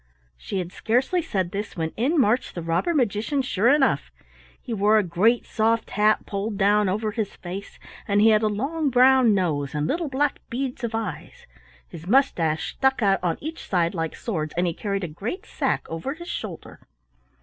She had scarcely said this when in marched the robber magician sure enough. He wore a great soft hat pulled down over his face, and he had a long brown nose and little black beads of eyes. His mustache stuck out on each side like swords, and he carried a great sack over his shoulder.